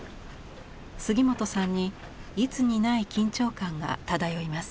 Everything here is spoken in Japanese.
杉本さんにいつにない緊張感が漂います。